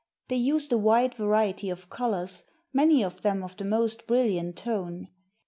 They used a wide variety of colors, many of them of the most brilliant tone.